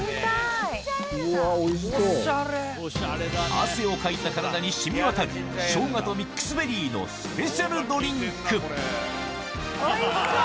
汗をかいた体に染み渡るショウガとミックスベリーのスペシャルドリンクおいしそう。